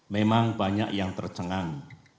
memang banyak yang tercengang